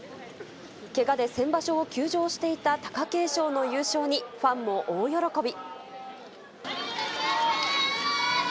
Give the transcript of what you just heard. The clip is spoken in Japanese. けがで先場所を休場していた貴景勝の優勝にファンも大喜び。